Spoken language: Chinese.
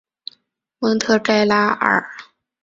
蒙特盖拉尔。